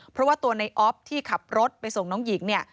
เพราะว่าตัวในออฟที่ขับรถไปส่งน้องหญิงเนี่ย